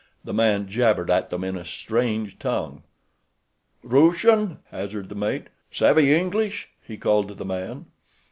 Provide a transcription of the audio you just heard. The man jabbered at them in a strange tongue. "Rooshun," hazarded the mate. "Savvy English?" he called to the man.